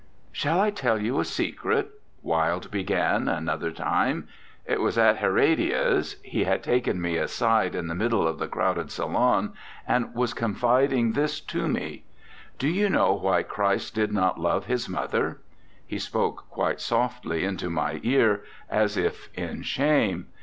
'" "Shall I tell you a secret?" Wilde began, another time it was at Her dia's; he had taken me aside in the middle of the crowded salon, and was confiding this to me: "Do you know why Christ did not love his mother?" He spoke quite softly into my ear, as if in shame.